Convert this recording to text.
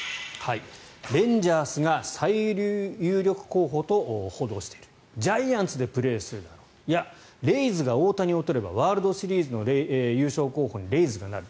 レンジャーズが最有力候補と報道しているジャイアンツでプレーするだろういや、レイズが大谷を取ればワールドシリーズの優勝候補にレイズがなる。